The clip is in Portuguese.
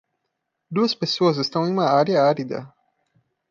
Duas pessoas estão em uma área árida.